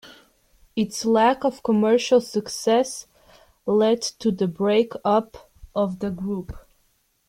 Its lack of commercial success led to the break up of the group.